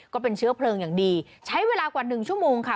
ก็เป็นเชื้อเพลิงอย่างดีใช้เวลากว่าหนึ่งชั่วโมงค่ะ